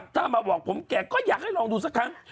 ถ้ามาบอกผมแก่ก็อยากให้ลองดูสักครั้ง